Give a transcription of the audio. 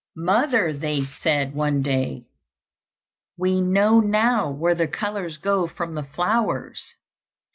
"Mother," they said one day, "we know now where the colours go from the flowers.